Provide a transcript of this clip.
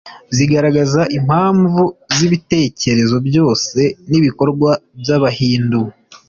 zigaragaza impamvu z’ibitekerezo byose n’ibikorwa by’abahindu